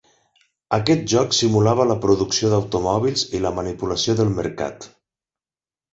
Aquest joc simulava la producció d'automòbils i la manipulació del mercat.